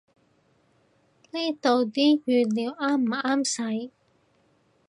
呢度啲語料啱唔啱使